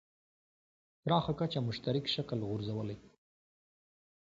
پراخه کچه مشترک شکل غورځولی.